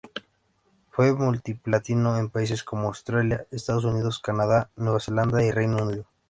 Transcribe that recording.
Fue multiplatino en países como Australia, Estados Unidos, Canadá, Nueva Zelanda y Reino Unido.